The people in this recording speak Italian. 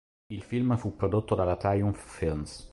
Il film fu prodotto dalla Triumph Films.